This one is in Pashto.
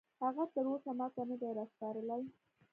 هغه تراوسه ماته نه دي راسپارلي